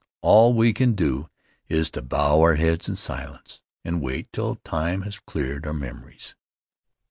All we can do is to bow our heads in silence and wait till time has cleared our memories.